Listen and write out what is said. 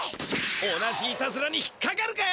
同じいたずらに引っかかるかよ！